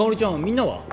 みんなは？